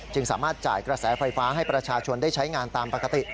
สามารถจ่ายกระแสไฟฟ้าให้ประชาชนได้ใช้งานตามปกติ